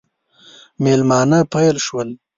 مېلمانه پیل شول.